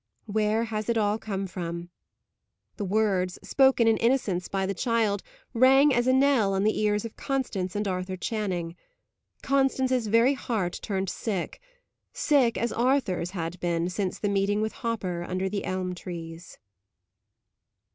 "Where has it all come from?" The words, spoken in innocence by the child, rang as a knell on the ears of Constance and Arthur Channing. Constance's very heart turned sick sick as Arthur's had been since the meeting with Hopper under the elm trees.